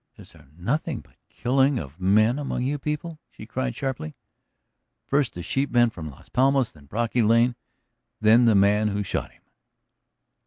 "Is there nothing but killing of men among you people?" she cried sharply. "First the sheepman from Las Palmas, then Brocky Lane, then the man who shot him.